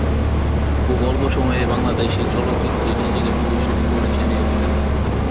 খুব অল্প সময়েই বাংলাদেশী চলচ্চিত্রে নিজেকে প্রতিষ্ঠিত করেছেন এই অভিনেতা।